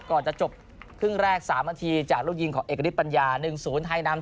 ก่อนจะจบครึ่งแรก๓นาทีจากลูกยิงของเอกฤทธปัญญา๑๐ไทยนำ